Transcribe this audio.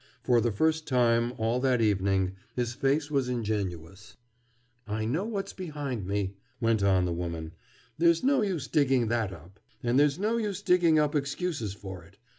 For the first time, all that evening, his face was ingenuous. "I know what's behind me," went on the woman. "There's no use digging that up. And there's no use digging up excuses for it.